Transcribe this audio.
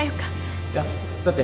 いやだって。